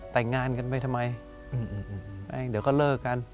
แต่งงานกันไปทำไมเดี๋ยวก็เลิกกัน